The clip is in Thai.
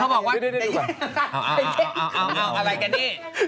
เอาอะไรกันพี่